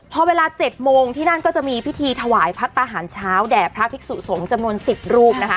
พอเวลา๗โมงที่นั่นก็จะมีพิธีถวายพัฒนาหารเช้าแด่พระภิกษุสงฆ์จำนวน๑๐รูปนะคะ